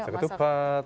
masak ketupat masak okor